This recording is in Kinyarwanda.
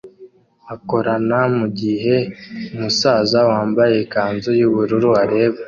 akorana mugihe umusaza wambaye ikanzu yubururu areba